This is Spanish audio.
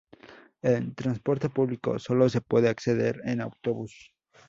En transporte público sólo se puede acceder en autobús.